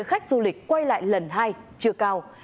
tỷ lệ khách du lịch quay lại lần hai chưa cao